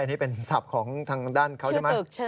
อันนี้เป็นศัพท์ของทางด้านเขาใช่ไหม